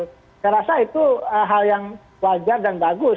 saya rasa itu hal yang wajar dan bagus